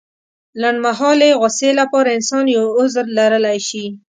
لنډمهالې غوسې لپاره انسان يو عذر لرلی شي.